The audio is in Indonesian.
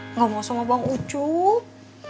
enggak mau sama bang ucup